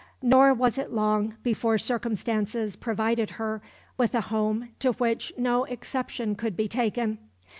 Nor was it long before circumstances provided her with a home to which no exception could be taken.